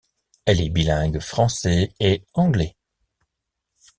Elle est bilingue français et anglais.